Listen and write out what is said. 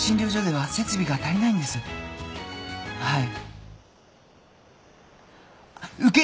はい。